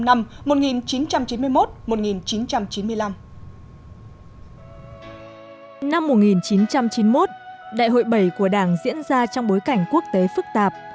năm một nghìn chín trăm chín mươi một đại hội bảy của đảng diễn ra trong bối cảnh quốc tế phức tạp